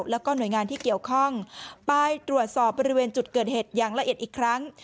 แล้วก็หน่วยงานที่เกี่ยวข้องไปตรวจสอบบริเวณจุดเกิดเหตุอย่างละเอียดอีกครั้ง